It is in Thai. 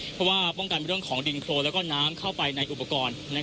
เพราะว่าป้องกันเรื่องของดินโครนแล้วก็น้ำเข้าไปในอุปกรณ์